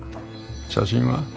写真は？